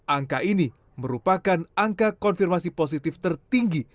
angka ini merupakan angka konfirmasi positif tertinggi